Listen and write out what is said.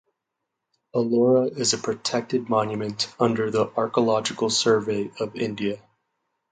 Ellora is a protected monument under the Archaeological Survey of India.